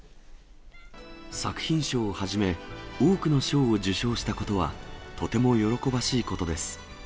作品賞をはじめ、多くの賞を受賞したことは、とても喜ばしいことです。